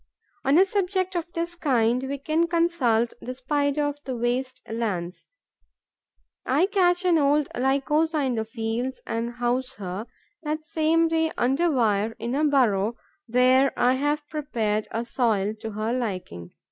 On a subject of this kind, we can consult the Spider of the waste lands. I catch an old Lycosa in the fields and house her, that same day, under wire, in a burrow where I have prepared a soil to her liking.